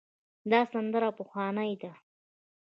دا سندره پخوانۍ ده.